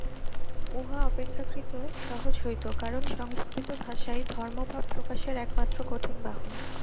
উহা অপেক্ষাকৃত সহজ হইত, কারণ সংস্কৃত ভাষাই ধর্মভাব প্রকাশের একমাত্র সঠিক বাহন।